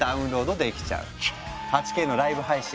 ８Ｋのライブ配信